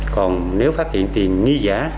còn nếu phát hiện tiền nghi giả